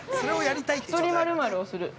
◆１人○○をする。